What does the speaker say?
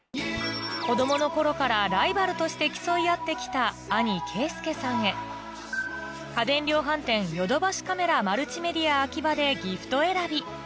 子供の頃からライバルとして競い合って来た兄圭祐さんへ家電量販店ヨドバシカメラマルチメディアＡｋｉｂａでギフト選び